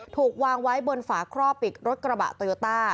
ถูกวางไว้บนฝาครอบปิดรถกระบะโตโยต้า